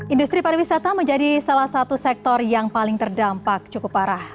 industri pariwisata menjadi salah satu sektor yang paling terdampak cukup parah